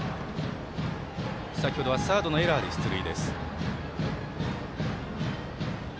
先ほどはサードのエラーで出塁。